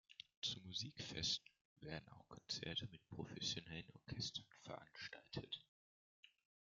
Zum Musikfest werden auch Konzerte mit professionellen Orchestern veranstaltet.